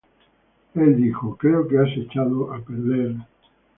Él dijo: "Creo que has echado a perder...